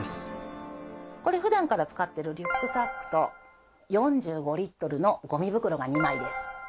これ普段から使っているリュックサックと４５リットルのゴミ袋が２枚です。